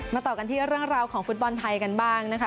ต่อกันที่เรื่องราวของฟุตบอลไทยกันบ้างนะคะ